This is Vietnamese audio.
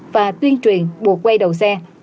và tuyên truyền buộc quay đầu xe